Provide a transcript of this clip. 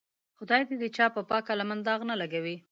خدای دې د چا پاکه لمن داغ نه لګوي.